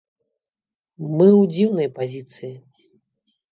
Мы ў дзіўнай пазіцыі.